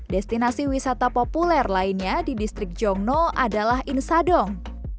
destinasi wisata populer lainnya di distrik jongno adalah insadong